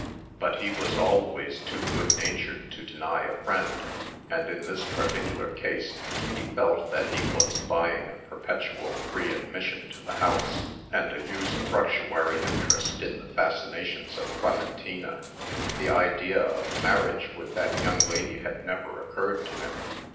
But he was always too good natured to deny a friend; and, in this particular case, he felt that he was buying a perpetual free admission to the house, and a usufructuary interest in the fascinations of Clementina. The idea of marriage with that young lady had never occurred to him.